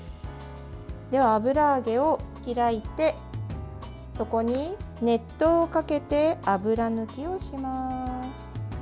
油揚げを開いてそこに熱湯をかけて油抜きをします。